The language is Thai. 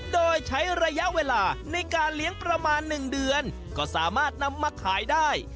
โดยใช้ระยะเวลาในการเลี้ยงประมาณ๑เดือนก็สามารถนำมาขายได้